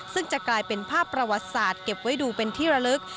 ซึ่งจะกลายเป็นภาพประวัติศาสตร์เก็บไว้ดูเป็นที่ระลึก